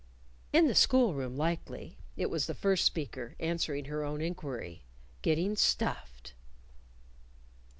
"In the school room likely," it was the first speaker, answering her own inquiry "getting stuffed."